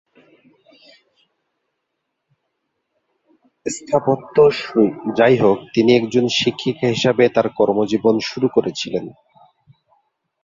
যাইহোক, তিনি একজন শিক্ষিকা হিসাবে তার কর্মজীবন শুরু করেছিলেন।